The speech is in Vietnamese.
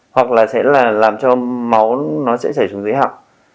hoặc là sẽ làm cho máu nó sẽ chảy xuống dưới hạng